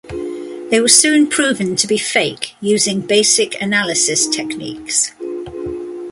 They were soon proven to be fake using basic analysis techniques.